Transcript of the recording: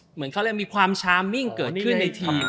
เหมือนเขาเรียกมีความชามมิ่งเกิดขึ้นในทีม